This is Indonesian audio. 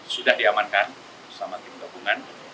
sudah diamankan bersama tim gabungan